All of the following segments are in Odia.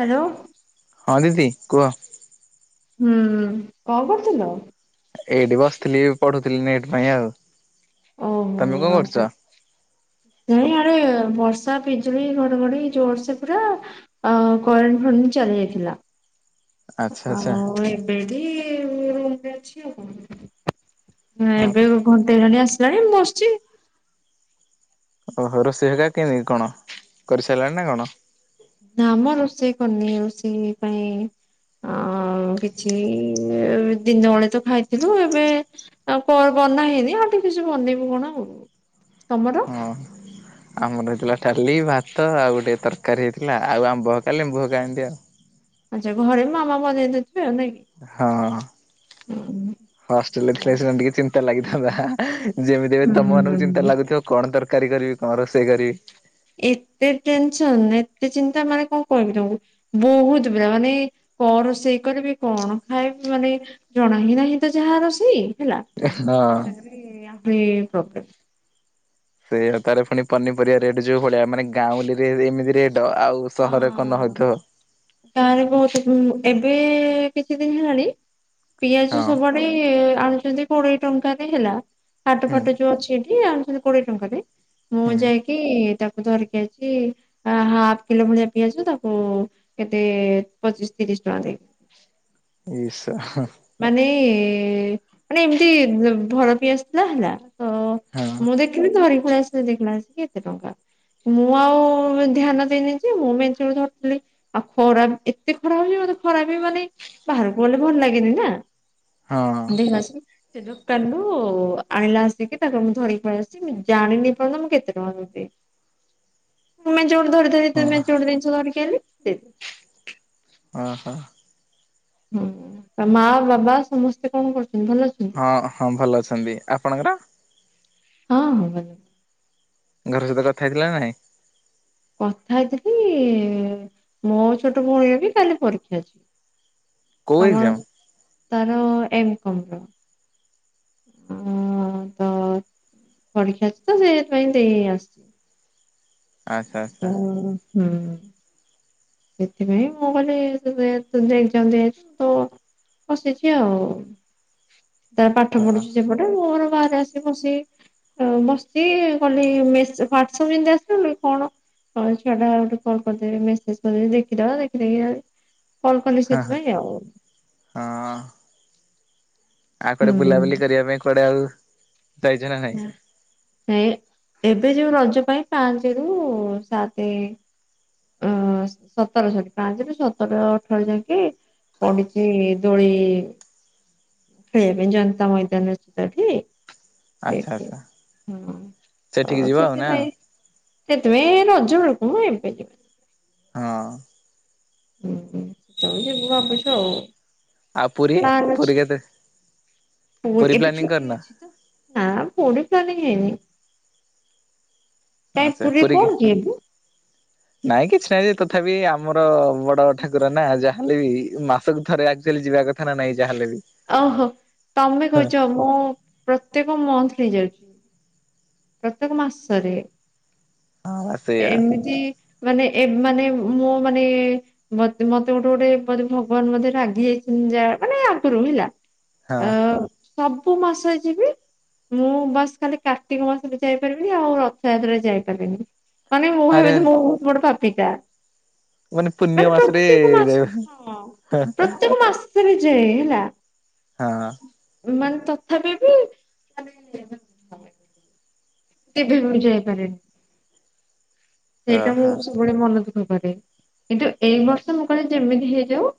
ହ୍ୟାଲୋ। ହଁ ଦିଦି କୁହ? ହୁଁ କଣ କରୁଥୁଲୁ? ଏଇଠି ବସିଥିଲି ପଢୁଥିଲି ନେଟ୍ ପାଇଁ ଆଉ ତମେ କଣ କରୁଚ? ଏ ଆଡେ ବର୍ଷା ପିଜୁଳି ଘଡଘଡି ଜୋରସେ ପୁରା। ଅ କରେଣ୍ ଫରେଣ୍ଡ ଚାଲି ଯାଇଥିଲା। ଆଚ୍ଛା ଆଚ୍ଛା ଆଉ ଏବେ ଏଠି ରୁମ୍ ରେ ଅଛି ଆଉ କଣ। ହଁ ଏବେ ଘଣ୍ଟେ ହେଲାଣି ଆସିଲାଣି ମୁଁ ବସଚି। ଓହୋ ରୋଷେଇ ହେ ଏକା କିଣି କଣ କରିସାରିଲାଣି ନା କଣ? ଧାମ ରୋଷେଇ କନି ରୋଷେଇ ପାଇଁ ଆଉ- କିଛି ଦିନ ବେଳେ ତ ଖାଇଥିଲୁ ଏବେ ଆଉ ବନା ହେଇନି ଆଉ ଟିକେ କିଛି ବନେଇବୁ କଣ ଆଉ, ତମର? ହଁ। ଆମର ହେଇଥିଲା ଡାଲି ଭାତ ଆଉ ଗୋଟେ ତରକାରୀ ହେଇଥିଲା ଆଉ ଆମ୍ବକା ଲେମ୍ବୁ ଏମିତି ଆଉ। ଆଚ୍ଛା ଘରେ ମାମା ବନେଇ ଦେଥିବେ ଆଉ ନାଇ କି। ହଁ ହଷ୍ଟେଲରେ ଥିଲେ ସେ ଟିକେ ଚିନ୍ତା ଲାଗିଥାନ୍ତା। ଯେମିତି ଏ ତମ ମାନଙ୍କୁ ଚିନ୍ତା ହୁଁ ଲାଗୁଥିବ କଣ ତରକାରୀ କରିବି କଣ ରୋଷେଇ କରିବି? ଏତେ ଟେନ୍ ସନ୍ ଏତେ ଚିନ୍ତା ମାନେ କଣ କଇବି ତମକୁ? ବହୁତ ପା ମାନେ କଣ ରୋଷେଇ କରିବି କଣ ଖାଇବି ମାନେ ଜଣା ହିଁ ନାହିଁ ତ ଯାହା ରୋଷେଇ ହେଲା ହଁ। ଏ ଆ ପ୍ରୋବ୍ଲେମ୍। ସେଇ ତାର ପୁଣି ପନିପରିବା ରେଟ୍ ଯୋଉ ଭଳିଆ ମାନେ ଗାଉଁଲିରେ ଏମିତି ରେଟ୍ ଆଉ ସହରରେ କଣ ନ ହଉଥିବ। ତାରେ ବହୁତୁ ଏବେ କିଛି ଦିନ ହେଲାଣି ପିଆଜ ହଁ ସବୁଆଡେ ଆଣୁଛନ୍ତି କୋଡିଏ ଟଙ୍କାରେ ହେଲା ହାଟ ହୁଁ ଫାଟ ଯୋଉ ଅଛି ଏଠି ଆଣୁଛନ୍ତି କୋଡିଏ ଟଙ୍କାରେ ମୁଁ ହୁଁ। ଯାଇକି ତାକୁ ହତ ଧରିକି ଆଇଚି ହାଫ କିଲୋ ଭଳିଆ ପିଆଜ ତାକୁ କେତେ ପଚିଶ ତିରିଶ ଟଙ୍କା ଦେଇ ନିଶା ମାନେ ମାନେ ଏମିତି ଘର ପିଇ ଆସଥିଲା ହେଲା ତ ହଁ ମୁଁ ଦେଖିଲି ଧରିକି ପଳେଇଆସିଲି ଦେଖିଲା ଳକୁ ଏତେ ଟଙ୍କା। ମୁଁ ଆଉ ଧ୍ୟାନ ଦେଇନି ଯେ ମୁଁ ମେଞ୍ଚେ ଧରିଥିଲି। ଆଉ ଖରା ଏତେ ଖରା ହଉଚି ମତେ ଖରା ବି ମାନେ ବାହାରକୁ ଗଲେ ଭଲ ଲାଗେନି ନା। ହଁ। [unintelligible] ସେ ଦୋକାନରୁୁ ଆଣିଲା ଆସିକି ତାକୁ ମୁଁ ଧରିକି ପଳେଇ ଆସଛି ମୁ ଜାଣିନି ପର୍ଯ୍ୟନ୍ତ ମୁଁ କେତେ ଟଙ୍କା ର ଧରିକି ଆଇଚି। ମେଞ୍ଚେ ଗୁଡେ ଧରି ଧରି ହଁ ମେଞ୍ଚେ ଗୁଡ଼େ ଜିନିଷ ଧରିକି ଆଇଲି ଦେଇଦେଲି। ଅ ହ। ହୁଁ ତା ମା ବାବା ସମସ୍ତେ କଣ କରୁଚନ୍ତି ଭଲ ଅଛ ହଁ ହଁ ଭଲ ଅଛନ୍ତି ଆପଣଙ୍କର? ହଁ ହଁ ଭଲ। ଘର ସହିତ କଥା ହେଇଥିଲ ନାଇଁ? କଥା ହେଇଥିଲି ମୋ ଛୋଟ ଭଉଣୀର ବି କାଲି ପରୀକ୍ଷା ଅଛିି। କୋଉ କମର ଏକ୍ଜାମ? ତାର ଏମ କମର। ହ ତ ପରୀକ୍ଷା ଅଛି ତ ସେ ସେଥିପାଇଁ ଦେଇଆସିଛି। ଆଚ୍ଛା ଆଚ୍ଛା ହ ହୁଁ। ସେଥିପାଇଁ ମୁଁ କହିଲି ସେ ଦେଇଛନ୍ତି ଆଜି ତ ବସିଛି ଆଉ। ତା ପାଠ ହଁ ପଢୁଛି ସେପଟ ଏ ମୋର ବାହାରେ ଆସି ବସି ବସିଚି କହିଲି ମେସ ହ୍ଵାଟ୍ସଆପ ଯେମିତି ଆସିଲା କହିଲି କଣ ହଁ ଛୁଆଟା ଗୋଟେ କଲ କରିଦେବି ମେସେଜ କରିଦେବ ଦେଖିଦବା ଦେଖିଦେଇକି କଲ କଲି ହଁ ସେଥିପାଇଁ ଆଉ। ହଁ। ଆଉ କୁଆଡେ ହୁଁ। ବୁଲାବୁଲି କରିବା ପାଇଁ କୁଆଡେ ଆଉ ଯାଇଛ ନା ନାଇଁ? ନାଁ ନାଇଁ ଏବେ ଯୋଉ ରଜ ପାଇଁ ପାଞ୍ଚରୁ ସାତ ଅ ସତରଷଠି ପାଞ୍ଚରୁୁ ସତର ଅଠର ଯାଙ୍କେ ପଡିଛି ଦୋଳି ଖାଇବାପାଇଁ ଜନତା ମଇଦାନରେ [unintelligible] ଆଚ୍ଛା ଆଚ୍ଛା ତ ସେଠିକି ଯିବ ଆଉ ନା? ସେଥିପାଇଁ ସେଥିପାଇଁ ରଜବେଳକୁ ମ ଏବେ ଯିବିନି। ହଁ। ହୁଁ ସେତବେଳୁ ଯିବୁ ଭାବୁଚୁ ଆଉ। ଆଉ ପୁରୀ ପୁରୀ କେତେ ପୁରୀ ଏବେ ପ୍ଲାନିଂ ଛୁଟି କରିନ ଅଛି ତ ନା ପୁରୀ ପ୍ଲାନିଂ ହେଇନି। କାଇଁ ଆଛା ପୁରୀ କଣ ଏପରୀକି। କି ଏବେ ନାଇଁ କିଛି ନାଇଁ ଯେ ତଥାପି ଆମର ବଡ ଠାକୁର ନା ଯାହା ହେଲେ ବି ମାସକୁ ଥରେ ଆକ୍ଚୁଆଲି ଯିବା କଥ ଥା ନା ନାହିଁ ଯାହାେଲେ ବି? ଓହୋ ତମେ ହଁ କହୁଛ ମୁଁ ପ୍ରତ୍ୟେକ ମନ୍ଥଲି ଯାଉଛି। ପ୍ରତ୍ୟେକ ମାସରେ ହଁ ସେଇଆ ଏମିତି ମାନେ ଏ ମାନେ ମୋ ମାନେ ମତେ ମତେ ଗୋଟେ ଗୋଟେ ବୋଧେ ଭଗବାନ ବୋଧେ ରାଗି ଯାଇଛନ୍ତି ଯା ମାନେ ଆଗରୁ ହେଲା। ହଁ। ଅ ସବୁ ମାସ ଯିବି ମୁଁ ବାସ ଖାଲି କା ର୍ତ୍ତିକ ମାସରେ ଯାଇପାରିବିନି ଆଉ ରଥଯାତ୍ରାରେ ଯାଇପାରିବିନି ମାନେ ମୁଁ ଆରେ ଆରେ ଭାବିଲି ମୁଁ ବହୁତ ବଡପାପ ଟୀକା ପ ପୂର୍ଣ୍ଣିମା ମାନେ ମାସରେ ପ୍ରତ୍ୟେକ ମାସ ହଁ ପ୍ରତ୍ୟେକ ମାସ ସରେ ଯାଏ ବିଜୟ ହେଲା। ହଁ। ମାନେ ତଥାପି ବି ମାନେ କେବେବି ମୁଁ ଯାଇପାରେନି। ଓହୋ ସେଇଟା ମୁଁ ସବୁବେଳେ ମନ ଦୁଃଖ କରେ କିନ୍ତୁ ଏଇ ବର୍ଷ ମୁଁ କହିଲି ଯେମିତି ହେଇଯାଉ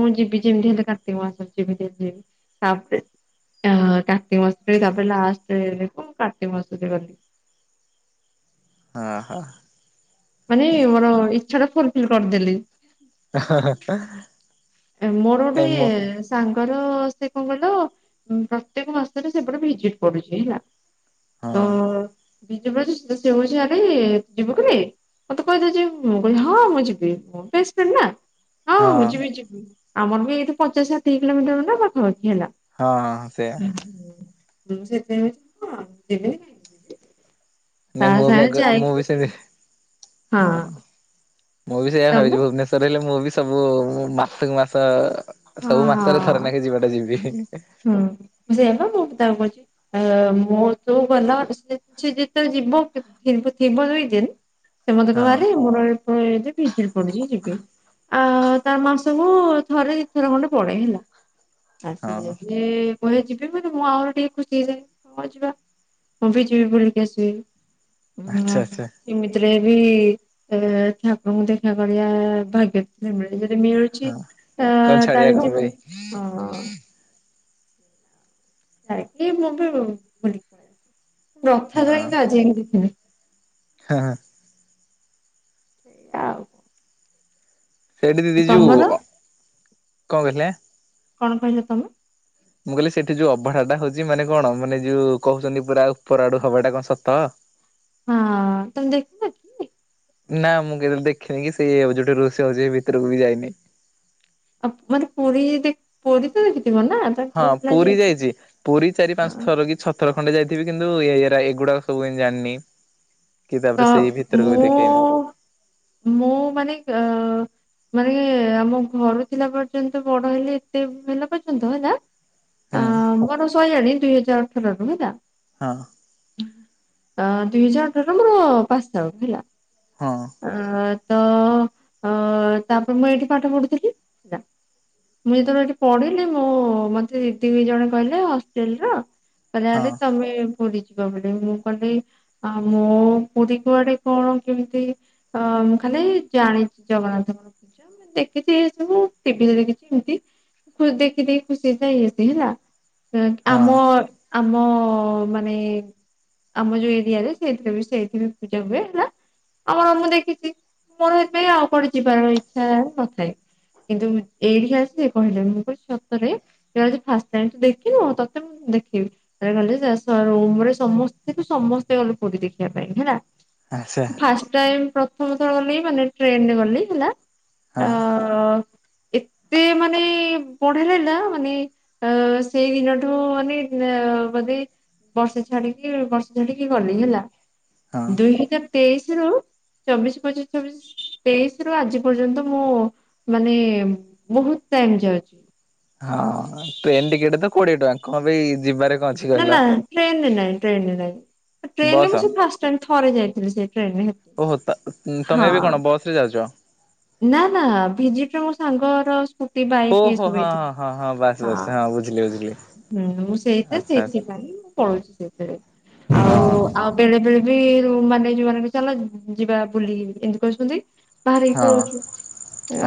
ମୁଁ ଯିବି ଯେମିତି ହେଲେ କାର୍ତ୍ତିକ ମାସ ଯେମିତି ହେଲେ ଯିବି ତାପରେ ଆ କାର୍ତ୍ତିକ ମାସେରେ ତାପରେ ଲାଷ୍ଟ ବେଳକୁ ମୁ କାର୍ତ୍ତିକ ମାସରେ ଗଲି। ହଁ ହ। ମାନେ ମୋର ଇଚ୍ଛା ଟା ଫୁଲଫିଲ୍ କରିଦେଲି। ମୋର ଗୋଟେ ନାଇଁ ମୁଁ ତାଙ୍କର ସେ କଣ କହିଲ ଉ ପ୍ରତ୍ୟେକ ମାସରେ ସେପଟେ ଭିଜିଟ୍ ପଡୁଚି ହେଲା। ତ ହଁ। [inaudible] ଯିବୁ କିରେ। ମତେ କହିଦେଇଚି ମୁଁ କିହିଲି ହଁ ମୁଁ ଯିବି, ମୋ ବେଷ୍ଟ୍ ଫ୍ରେଣ୍ଡ୍ ନା ହଁ ମୁଁ ଯିବି-ଯିବି। ଆମର ବି ଏଇଠୁ ପଚାଶ ଷାଠିଏ କିଲୋମିଟର ନା ପାଖାପାଖି ହେଲା। ହଁ-ହଁଁ ସେଇଆ। ମୁଁ ସେଇଥିପାଇଁ ବି ହଁ [unintelligible] ତା ନାଇଁ ମୁଁ ବି ଆଗ ସାଙ୍ଗେ ମୁଁ ଯାଇକି ବି ସେ ହଁ ହଁ ମୁଁ ବି ସେଇଆ ତମେ ଭାବିଚି ଭୁବନେ [unintelligible] ହେଲେ ମୁଁ ବି ସବୁ ମୁଁ ମାସକୁ ମାସ ହଁ ସବୁ ମାସରେ ଥରେ ହଁ। ନେଖେ ଯିବାଟା ଯିବି। ହୁଁ ସେ ହେଲା ମୁଁ ବି [unintelligible] [inaudible] ସେ ମତେ ହଁ କହିବ [inaudible] ଆ ତାର ମାସକୁ ଥରେ ଦି ଥର ଖଣ୍ଡେ ପଡେଇ ହେଲା। ହଁ ଏ କହେ ଯିବି ମାନେ ମୁଁ ଆହୁର ଟିକେ ଖୁସି ହେଇଯାଏ ହଁ ଯିବା। ମୁଁ ବି ଯିବି ବୁଲିକି ଆସିବି। ଉଁ ଆଚ୍ଛା-ଆଚ୍ଛା। ଏମିତିରେ ବି ଠାକୁରଙ୍କୁ ଦେଖା କରିଆ ଭାଗ୍ୟରେ ଥିଲେ ମିଳେ ଯଦି ମିଳୁ ଚି ହଁ ତା କଣ ଛାଡିବା ତାହେଲେ କଣ ଯିବୁ ପାଇଁ ହଁ ଏ ମୁଁ ବି ବୁଲି କୁଆ ରଥ ଧ ତ ଆଜି ଆମ ଦେିବି ହଁ-ହଁ। ସେ ଆଉ। ସେଇଠି ଦିଦି ଯିବୁ ତମର ଅ କଣ କହିଲେ? କଣ କହିଲ ତମେ? ମୁଁ କହିଲି ସେଠି ଯୋଉ ଅଭଢା ଟା ହଉଚି ମାନେ କଣ ମାନେ ଯୋଉ କହୁଚନ୍ତି ପୁରା ଉପର ଆଡୁ ହବାଟା କଣ ସତ? ହଁ ତମେ ଦେଖିନକି। ନା ମୁଁ କେବେ ଦେଖିନି କି ସେଇ ଯୋଉଟି ରୋଷେଇ ହଉଚି ସେ ଭିତରକୁ ବି ଯାଇନି। ଆଉ ମାନେ ପୁରୀ ଦେଖ ପୁରୀ ତ ଦେଖିଥିବ ନା? ତମେ ହଁ ପୁଅ ପିଲା ପୁରୀ ଯେହେତୁ। ଯାଇଚି ପୁରୀ ଚାରି ପାଞ୍ଚ ଥର କି ଛ ଥର ଖଣ୍ଡେ ଯାଇଥିବ କିନ୍ତୁ ଏ ଏଗୁଡା ସବୁ ଜାଣିନି। କି ତ ତାପରେ ସେଇ ଭିତରକୁ ବି ଦେଖେ। ମୁଁ ମୁଁ ମାନେ ଅ ମାନେ ଆମ ଘରୁ ଥିଲା ପର୍ଯ୍ୟନ୍ତ ବଡ ହେଲେ ଏତେ ହେଲା ପର୍ଯ୍ୟନ୍ତ ହେଲା ହୁଁ ଅ ମୋର ସଇଆଣି ଦୁଇ ହଜାର ଅଠରରୁ ହେଲା ହଁ। ଅ ଦୁଇ ହଜାର ଠାରୁ ମୋର ପାସ୍ ଆଉଟ୍ ହେଲା। ହଁ। ଅ ତ ଅ ତାପରେ ମୁଁ ଏଇଠି ପାଠ ପଢୁଥିଲି [unintelligible] ମୁଁ ଯେତବଳେ ଏଠି ପଢିଲି ମୁଁ ମତେ ଦି ଜଣ କହିଲେ ହଷ୍ଟେଲ୍ ର କହିଲେ ହଁ ଆରେ ତମେ ପୁରୀ ଯିବା ବୋଲି ମୁଁ କହିଲ ଆ ମୁଁ ପୁରୀ କୁଆଡେ କଣ କେମ୍ତି ଅ ମୁଁ ଖାଲି ଏଇ ଜାଣିଚି ଜଗନ୍ନାଥ [unintelligible] ମୁଁ ଦେଖିଚି ଏ ସବୁ ଟିଭିରେ ଦେଖିଚି [unintelligible] ଦେଖି-ଦେଖି ଖୁସି ଯାଇଅସି ହେଲା ହଁ ଆମ ଆମ ମାନେ ଆମ ଯୋଉ ଏରିଆରେ ସେଇଥିରେ ବି ସେଇଥି ବି ପୂଜା ହୁଏ ହେଲା ଆଉ ମୁଁ ଦେ ଖୀଛି ମୋର ସେଥିପାଇଁ ଆଉ କୁଆଡେ ଯିବାର ଇଚ୍ଛା ନଥାଏ କିନ୍ତୁ ଏଇଠି ଆସି ସେ କହିଲେ ମୁଁ କହିଲି ସତରେ କହିଲେ ଆଜି ଫାଷ୍ଟ ଟାଇମ ତୁ ଦେଖିନୁ ତତେ ମୁଁ ଦେଖେଇବି ଏଇଆ କହିଲେ ତାପରେ ରୁମରେ ସମସ୍ତେ ତୁ ସମସ୍ତେ ଗଲେ ପୁରୀ ଦେଖିବା ପାଇଁ ହେଲା ଆଚ୍ଛା ଫାଷ୍ଟ ଟାଇମ ପ୍ରଥମଥର ଗଲି ମାନେ ଟ୍ରେନରେ ଗଲି ହେଲା ହଁ ଅ ଏତେ ମାନେ ବଢିଲା ନା ମାନେ ଅ ସେଇଦିନଠୁ ମାନେ ବୋଧେ ବର୍ଷେ ଛାଡିକି ବର୍ଷେ ଛାଡିକି ଗଲି ହେଲା ହଁ ଦୁଇ ହଜାର ତେଇଶି ରୁ ଚବିଶ ପଚିଶ ଚବିଶ ତେଇଶି ରୁ ଆଜି ପର୍ଯ୍ୟନ୍ତ ମୁଁ ମାନେ ବହୁତ ଟାଇମ ଯାଉଛି ହଁ ଟ୍ରେନ ଟିକେଟ ତ କୋଡିଏ ଟଙ୍କା କଣ ପାଇଁ ଯିବାରେ କଣ ଅଛି ନା କହିଲ ନା ଟ୍ରେନରେ ନାଇଁ ଟ୍ରେନରେ ନାଇଁ ଟ୍ରେନରେ ବସ୍ ମୁଁ ସେ ଫା ଷ୍ଟ ଟାଇମ ଥରେ ଯାଇଥିଲି ସେ ଟ୍ରେନ ରେ ଓହୋ ତ ତମେ ଏବେ କଣ ବସ ରେ ଯାଉଛ ନା ନା ଭିଜିଟରେ ମୋ ସାଙ୍ଗର ସ୍କୁଟି ବାଇକ ଓହୋ ଏସବୁ ହଁ ହେଇଥିଲା। ହଁ ହଁ ହଁ ବାସ୍ ବାସ୍ ହଁ ବୁଝିଲି ବୁଝିଲି ହୁଁ ମୁଁ ସେଇ ଆଚ୍ଛା ଆଚ୍ଛା ସେଇଥିପାଇଁ ମୁଁ ପଳଉଛି ସେଇଥିରେ ଆଉ ହଁ ଆ ବେଳେ ବେଳେ ବି ମାନେ ଯୋଉ ମାନେ ଚାଲ ଯିବା ବୁଲି ଏମିତି କହୁଛନ୍ତି ବାହାରିକି ହଁ ପଳଉଛୁ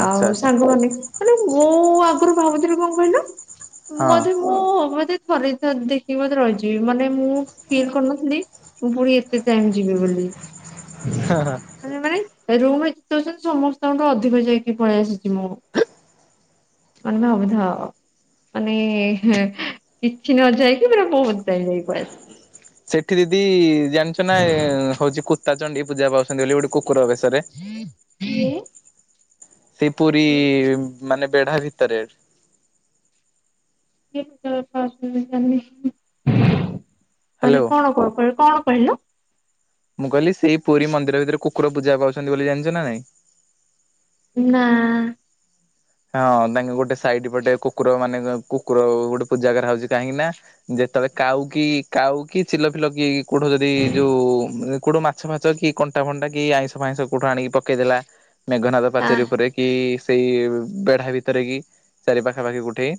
ଆଚ୍ଛା ଆଉ ଆଚ୍ଛା ସାଙ୍ଗମାନେ ମାନେ ମୁଁ ଆଗରୁ ଭାବୁଥିଲି କଣ କହିଲ ମ ହଁ। ମୁଁ ମତେ ଥରେ ଦି ଥର ଦେଖିକି ମତେ ରହିଛିି ମାନେ ମୁଁ ଫିଲ୍ କରୁନଥିଲି ମୁଁ ଫୁଣି ଏତେ ଟାଇମ ଯିବି ବୋଲି ମାନେ ମାନେ ରୁମରେ ଯେତେ ଅଛନ୍ତି ସମସ୍ତଙ୍କଠୁ ଅଧିକ ଯାଇକି ପଳେଇ ଆସିଛି ମୁଁ ମାନେ ଭାବୁଥାଅ ମାନେ କିଛି ନ ଯାଇକି ପୁରା ବହୁତ ଟାଇମ ଯାଇକି ପଳେଇ ଆସି ସେଠି ଦିଦି ଜାଣିଛ ନା ହଉଛି କୁତାଚଣ୍ଡୀ ପୂଜା ବ ଅଛନ୍ତି ବୋଲି ଗୋଟେ କୁକୁର ବେଶରେ ଆସିଛି। ସେଇ ପୁରୀ ମାନେ ବେଢା ଭିତରେ। ମାନେ ହ୍ୟାଲୋ। କଣ କ କ କଣ କହିଲ। ମୁଁ କହିଲି ସେଇ ପୁରୀ ମନ୍ଦିର ଭିତରେ କୁକୁର ପୂଜା ପାଉଛନ୍ତି ବୋଲି ଜାଣିଛ ନା ନାଇଁ। ନା। ହଁ ତାଙ୍କେ ଗୋଟେ ସାଇଡ ପଟେ କୁକୁର ମାନେ କୁକୁର ଗୋଟେ ପୂଜା କରା ହଉଛି କାହିଁକି ନା। ଯେତେବେଳେ କାଉ କି କାଉ କି ଚିଲ ଫିଲ କି କୋଉଠୁ ଯଦି ଯୋଉ କୋଉଠୁ ମାଛ ଫାଛ କି କଣ୍ଟା ଫଣ୍ଟା କି ଆଇଁଷ ଫାଇଁସ କୋଉଠୁ ଆଣିକ ପକେଇଦେଲା ମେଘନାଦ ହା ପାଚେରୀ ଉପରେ କି ସେଇ ବେଢା ଭିତରେ କି ଚାରି ପାଖାପାଖି କୋଉଠି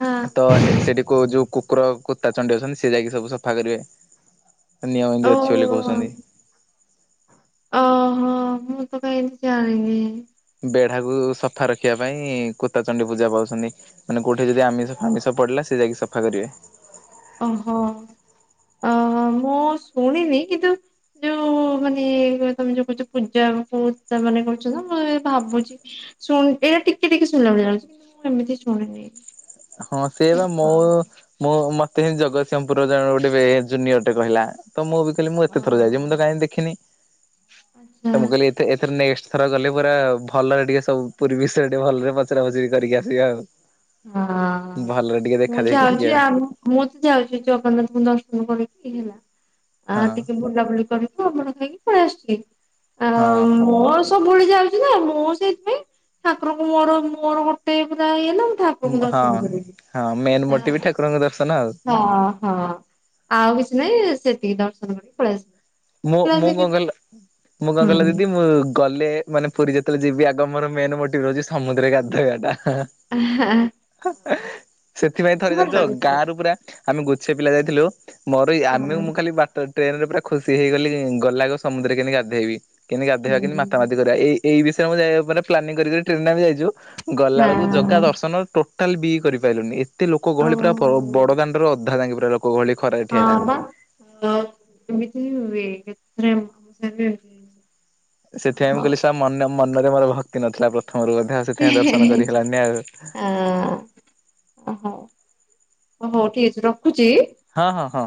ହା ତ ସେଠିକୁ ଯୋଉ କୁକୁର। କୁତା ଚଣ୍ଡୀ ଅଛନ୍ତି ସେ ଯାଇକି ସବୁ ସଫା କରିବେ ନିୟମ ଏମିତି ଅଛି ବୋଲି କହୁଛନ୍ତି। ଓ ଓହୋ ମୁଁ ତ କାଇଁ ଜାଣିନି ବେଢାକୁ ସଫା ରଖିବା ପାଇଁ କୁତାଚଣ୍ଡୀ ପୂଜା ପାଉଛନ୍ତି। ମାନେ କୋଉଠି ଯଦି ଆମିଷ ଫାମିଷ ପଡିଲା ସେ ଯାଇକି ସଫା କରିବେ। ଓହୋ ଅ ମୁଁ ଶୁଣିନି କିନ୍ତୁ। ଯୋଉ ମାନେ ତମେ ଯୋଉ କହୁଛ ପୂଜା କ ମାନେ କରୁଛ ମୁଁ ଏ ଭାବୁଛି। ଶୁଣ ଏଇଟା ଟିକେ ଟିକେ ଶୁଣିଲା ଭଳିଆ ଲାଗୁଛି କିନ୍ତୁ ମୁଁ ଏମିତି ଶୁଣିନି ହଁ ସିଏ ବା ମୋ ମୁଁ ମତେ ହିଁ ଜଗତସିଂହପୁର ଜଣେ ଗୋଟେ ଜୁନିୟରଟେ କହିଲା। ତ ମୁଁ ବି କହିଲି ମୁଁ ଏତେ ଥର ଯାଇଛି ମୁଁ ତ କାହିଁ ଦେଖିନି ଆଚ୍ଛା ତ ମୁଁ କହିଲି ଏଥର ନେକ୍ସଟ ଥର ଗଲେ ପୁରା ଭଲରେ ଟିକେ ସବୁ ପୁରୀ ବିଷୟ ଟିକେ ଭଲରେ ପଚରା ଫଚରି କରିକି ଆସିବା ଆଉ। ହଁ ଭଲରେ ଟିକେ ଦେଖା ମୁଁ ଦେଖି କରିକି ଯଉଛି ଆଉ ଆହୁ ମୁଁ ତ ଯାଉଛି ଜଗନ୍ନାଥଙ୍କୁ ଦର୍ଶନ କରିକି ଆ ହଁ ଟିକେ ବୁଲି ବୁଲାବୁଲି କରିକି ଅଭଢା ଖାଇକି ପଳି ଆସିଲି। ହଁ। ସବୁଳି ଯାଉଛି ନା ମୁଁ ସେଇଥିପାଇଁ ଠାକୁରଙ୍କୁ ମୋର ମୋର ଗୋଟେ ପୂରା ଇଏଲ ଉ ହଁ ମେନ୍ ମୋଟି ବି ଠାକୁରଙ୍କ ଦର୍ଶନ ଆଉ। ହଁ ହଁ ଆଉ କିଛି ନାଇ ସେତିକି ଦର୍ଶନ କରିକି ପଳେ ଆସି ମୁଁ ମୁଁ କ କହିଲ ମୁଁ କ ହୁଁ କହିଲ ଦିଦି ମୁଁ ଗଲେ ମାନେ ପୁରୀ ଯେତେବେଳେ ଯିବି ଆଗ ମୋର ମେନ ମୋଟିଭ ରହୁଛି ସମୁଦ୍ରରେ ଗାଧୋଇବା ଟା। ସେଥିପାଇଁ ଥରେ ଭଲ ଜାଣିଛ ଗାଁ ଦେଖିବାକୁ। ରୁ ପୁରା ଆମେ ଗୁଛେ ପିଲା ଯାଇଥିଲୁ ମୋର ଆମେ ମୁଁ ହୁଁ ଖାଲି ବାଟ ଟ୍ରେନ ରେ ପୁରା ଖୁସି ସି ହେଇଗଲି ଗଲେ ଆଗ ସମୁଦ୍ରରେ କେମତି ଗାଧୋଇବି କେମିତି ହୁଁ ଗାଧୋଇବା କେମିତିମାତା ମାତି କରିବା ଏଇ ଏଇ ବିଷୟରେ ମୁଁ ଯାଇ ମାନେ ପ୍ଲାନିଂ କରି କରି ଟ୍ରେନରେ ଯାଇଛୁ ଗଲା ବେଳକୁ ଜାଗା ହଁ ଦର୍ଶନ ଟୋ ତା ବି କରିପାରିଲୁନି ଏତେ ଲୋକ ଆଉ ଗହଳି ପୁରା ବ ବଡ଼ ଦାଣ୍ଡର ଅଧା ଜାଙ୍ଗେ ପୁରା ଲୋକ ଗହଳି ଖରା ହଁ ବା [unintelligible] ସେଥିପାଇଁ ହଉ କହିଲି ଶା ମନ ମନରେ ମୋର ଭକ୍ତି ନଥିଲା ପ୍ରଥମରୁ ବୋଧେ ଆଉ। ହ ସେଥିପାଇଁ ଦର୍ଶନ କରି [unintelligible] ହେଲାନି ଆଉ। ଓହୋ ହଉ ଠିକ ଅଛି ରଖୁଛି? ହଁ ହଁ ହଁ।